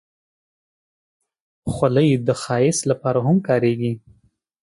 خولۍ د ښایست لپاره هم کارېږي.